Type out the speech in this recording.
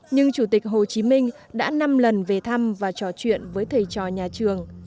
nhưng chủ tịch hồ chí minh đã năm lần về thăm và trò chuyện với thầy trò nhà trường